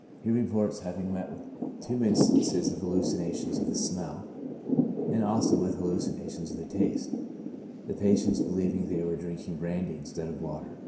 He reports having met with two instances of hallu cinations of the smell, and also with hallucinations of the taste, the patients believing they were drinking brandy instead of water.